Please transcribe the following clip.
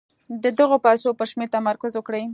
د دغو پيسو پر شمېر تمرکز وکړئ.